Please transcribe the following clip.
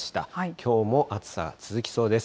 きょうも暑さ、続きそうです。